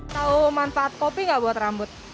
tahu manfaat kopi gak buat rambut